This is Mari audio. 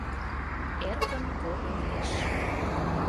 Эркын волгалтеш.